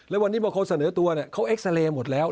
แล้ววันนี้บางคนเสนอตัวเนี่ยเขาเอ็กซาเรย์หมดแล้ว